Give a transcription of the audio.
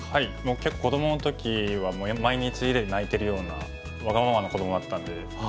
子どもの時はもう毎日家で泣いてるようなわがままな子どもだったんで。